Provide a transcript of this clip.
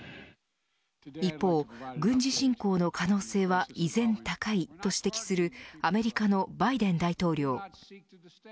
一方、軍事侵攻の可能性は依然高いと指摘するアメリカのバイデン大統領。